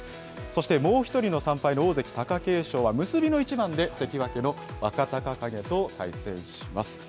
そしてもう１人の３敗の大関・貴景勝は結びの一番で関脇の若隆景と対戦します。